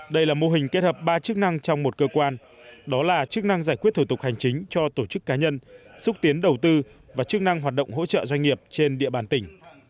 đây là mô hình kết hợp ba chức năng trong một cơ quan đó là chức năng giải quyết thủ tục hành chính cho tổ chức cá nhân xúc tiến đầu tư và chức năng hoạt động hỗ trợ doanh nghiệp trên địa bàn tỉnh